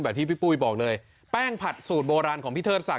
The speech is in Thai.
ที่พี่ปุ้ยบอกเลยแป้งผัดสูตรโบราณของพี่เทิดศักด